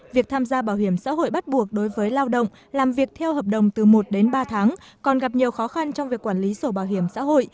việc tham gia bảo hiểm xã hội bắt buộc đối với lao động làm việc theo hợp đồng từ một đến ba tháng còn gặp nhiều khó khăn trong việc quản lý sổ bảo hiểm xã hội